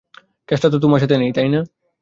কেসটা তো তোমার সাথে নেই, তাই না?